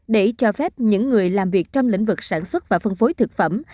để cho phép những người làm việc trong lĩnh vực sản xuất và phân phối thực phẩm